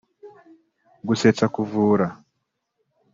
gusetsa kuvura